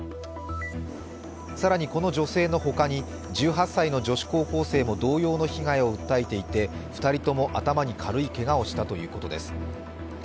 更にこの女性の他に、１８歳の女子高校生も同様の被害を訴えていて２人とも頭に軽いけがをしたということです。